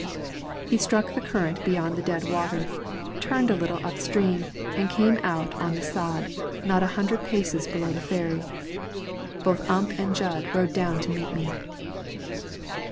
He struck the current beyond the dead water, turned a little up stream and came out on the sod not a hundred paces below the ferry. Both Ump and Jud rode down to meet me.